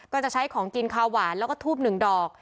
ก็จะใช้ของกินข้าวหวานแล้วก็ทูบหนึ่งดอก